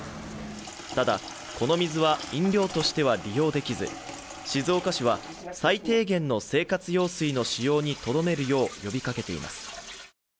ただ、この水は飲料としては利用できず静岡市は最低限の生活用水の使用にとどめるよう呼びかけています。